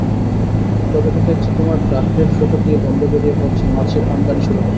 তবে তো দেখছি তোমার ঢাকনির ফুটো দিয়ে গন্ধ বেরিয়ে পড়েছে–মাছির আমদানি শুরু হল।